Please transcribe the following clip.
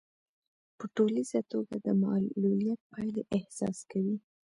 په ټولیزه توګه د معلوليت پايلې احساس کوي.